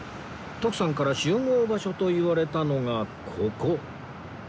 徳さんから集合場所と言われたのがここ